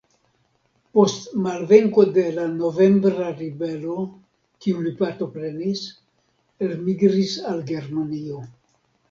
Post malvenko de la novembra ribelo, kiun li partoprenis, elmigris al Germanio.